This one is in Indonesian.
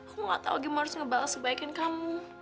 aku gak tau gimana harus ngebahas kebaikan kamu